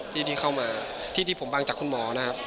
ที่ที่เข้ามาที่ที่ผมฟังจากคุณหมอนะครับ